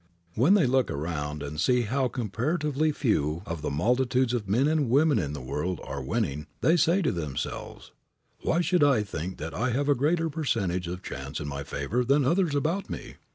When they look around and see how comparatively few of the multitudes of men and women in the world are winning they say to themselves, "Why should I think that I have a greater percentage of chance in my favor than others about me?